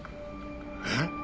えっ？